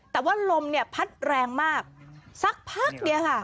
แต่ว่าลมเนี่ยพัดแรงมากสักพักเดียวค่ะ